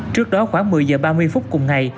trước đó khoảng một mươi giờ ba mươi phút cùng ngày